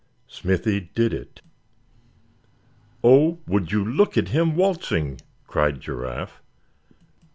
SMITHY DID IT. "Oh! would you look at him waltzing!" cried Giraffe.